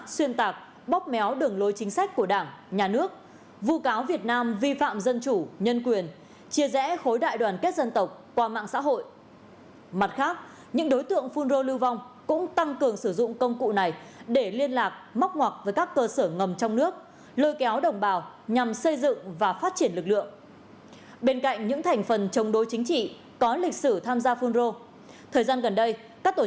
xin chào và hẹn gặp lại các bạn trong những video tiếp theo